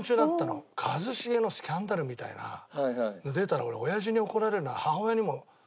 一茂のスキャンダルみたいなの出たら俺おやじに怒られるな母親にもちょっと。